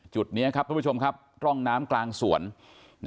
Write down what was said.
จุดนี้ครับทุกผู้ชมครับร่องน้ำกลางสวน